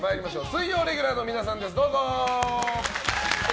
水曜レギュラーの皆さんです。